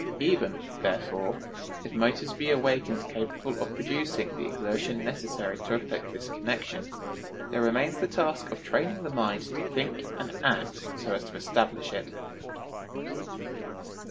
Even, therefore, if motives be awakened capable of producing the exertion necessary to effect this connection, there remains the task of training the mind to think and act so as to establish it."